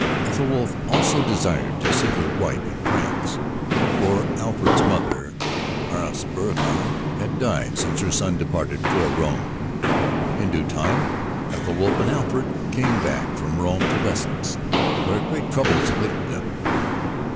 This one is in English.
Ethelwulf also desired to seek a wife in France, for Alfred's mother, Osburgha, had died since her son departed for Rome. In due time Ethelwulf and Alfred came back from Rome to Wessex where great troubles awaited them.